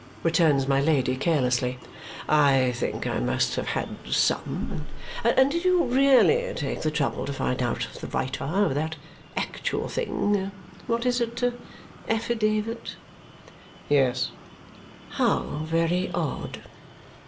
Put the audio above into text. returns my Lady carelessly. "I think I must have had some. And did you really take the trouble to find out the writer of that actual thing what is it! affidavit?" "Yes." "How very odd!"